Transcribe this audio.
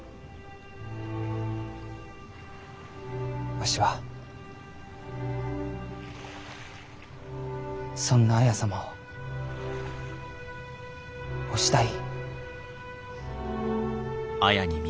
わしはそんな綾様をお慕い。